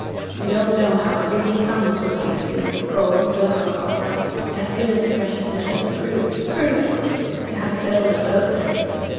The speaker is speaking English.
You don't know how everything comes to 'a big field,' gold, silver or copper, as soon as the precious metal is proved—proved, mind you—to have a settled abode there.